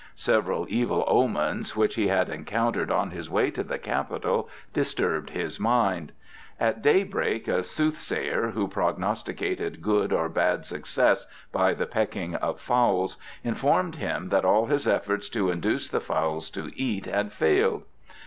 Several evil omens which he had encountered on his way to the Capitol disturbed his mind. At daybreak a soothsayer, who prognosticated good or bad success by the pecking of fowls, informed him that all his efforts to induce the fowls to eat had failed.